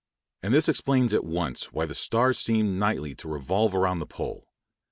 And this explains at once why the stars seem nightly to revolve about the pole.